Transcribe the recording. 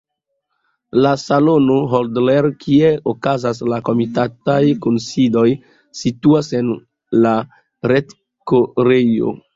La salono Hodler, kie okazas la komitataj kunsidoj, situas en la rektorejo.